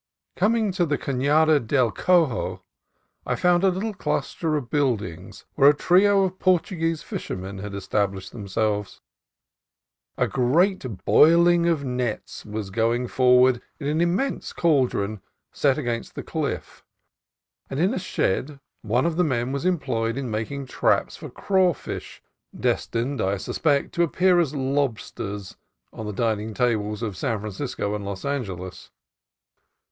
Coming to the Canada del Cojo I found a little cluster of buildings where a trio of Portuguese fishermen had established themselves. A great boil ing of nets was going forward in an immense caul dron set against the cliff, and in a shed one of the men was employed in making traps for crawfish (des tined, I suspect, to appear as lobsters on the dining tables of San Francisco and Los Angeles).